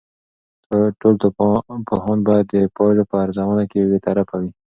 ټول پوهان باید د پایلو په ارزونه کې بیطرف وي.